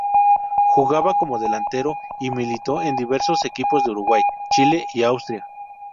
Jugaba de delantero y militó en diversos equipos de Uruguay, Chile y Austria.